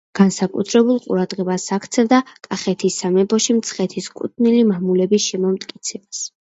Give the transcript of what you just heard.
განსაკუთრებულ ყურადღებას აქცევდა კახეთის სამეფოში მცხეთის კუთვნილი მამულების შემომტკიცებას.